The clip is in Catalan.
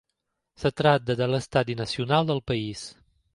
Es tracta de l'estadi nacional del país.